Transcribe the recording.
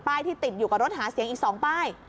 ที่ติดอยู่กับรถหาเสียงอีก๒ป้าย